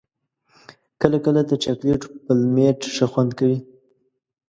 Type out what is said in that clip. کله کله تر چاکلېټو پلمېټ ښه خوند کوي.